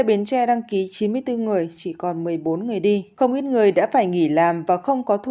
bến tre đăng ký chín mươi bốn người chỉ còn một mươi bốn người đi không ít người đã phải nghỉ làm và không có thu